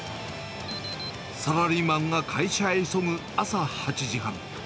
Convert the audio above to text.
サラリーマンが会社へ急ぐ朝８時半。